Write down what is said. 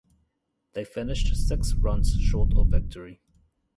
They finished six runs short of victory.